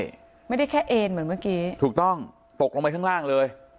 ใช่ไม่ได้แค่เอ็นเหมือนเมื่อกี้ถูกต้องตกลงไปข้างล่างเลย